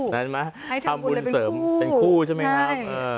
ทำวุลเป็นคู่ใช่ไหมครับให้มีคู่ใช่